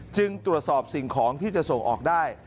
จึงตรวจสอบสิ่งของที่จะส่งออกได้